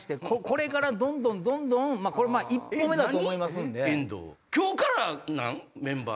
これからどんどんどんどんこれは一歩目だと思いますんで。